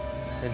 dan siang ini